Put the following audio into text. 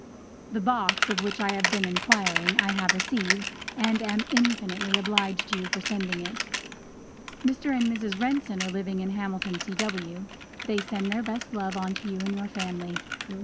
The box, of which I had been inquiring, I have received, and am infinitely obliged to you for sending it. Mr. and Mrs. Renson are living in Hamilton, C.W. They send their best love to you and your family.